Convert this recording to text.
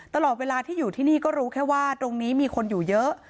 ตลอดเวลาที่อยู่ที่นี่ก็รู้แค่ว่าตรงนี้มีคนอยู่เยอะ